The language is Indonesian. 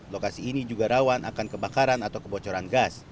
lokasi ini juga rawan akan kebakaran atau kebocoran gas